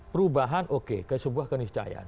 perubahan oke ke sebuah keniscayaan